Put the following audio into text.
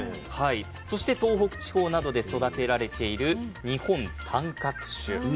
そして東北地方などで育てられている日本短角種。